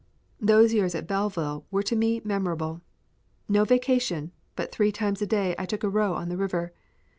Those years at Belleville were to me memorable. No vacation, but three times a day I took a row on the river.